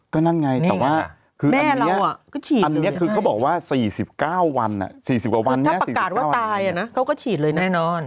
ก็นั่นไงแต่ว่าคืออันนี้คือเขาบอกว่า๔๙วันอะ๔๐กว่าวันเนี่ย๔๙วันเนี่ยแน่นอน